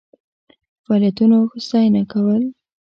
فعالیتونو ستاینه کول.